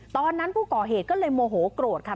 ตอนนั้นผู้ก่อเหตุก็เลยโมโหโกรธค่ะ